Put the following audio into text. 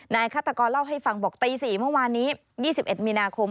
ฆาตกรเล่าให้ฟังบอกตี๔เมื่อวานนี้๒๑มีนาคม